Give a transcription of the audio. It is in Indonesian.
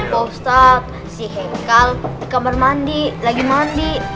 bostak si henkal di kamar mandi lagi mandi